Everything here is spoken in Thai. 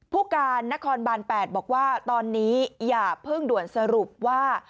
ผู้การนครบาน๘บอกว่าตอนนี้อย่าเพิ่งด่วนสรุปว่า